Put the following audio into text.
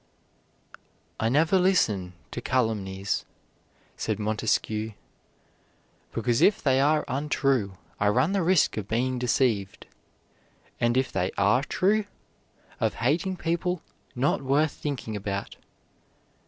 "I never listen to calumnies," said Montesquieu, "because if they are untrue I run the risk of being deceived, and if they are true, of hating people not worth thinking about."